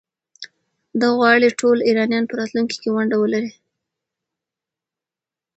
ده غواړي ټول ایرانیان په راتلونکي کې ونډه ولري.